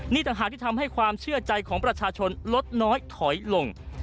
นี่ต่างหากที่ทำให้ความเชื่อใจของประชาชนลดน้อยถอยลง